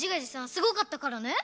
すごかったからね？